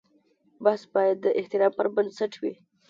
بحث باید د احترام پر بنسټ وي.